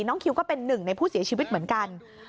คิวก็เป็นหนึ่งในผู้เสียชีวิตเหมือนกัน